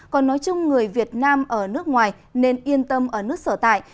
còn nói chung người việt nam ở nước ngoài nên yên tâm ở nước sở tại